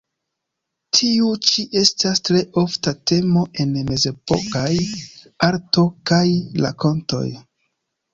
Tiu ĉi estas tre ofta temo en mezepokaj arto kaj rakontoj.